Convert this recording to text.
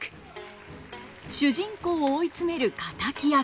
主人公を追い詰める敵役。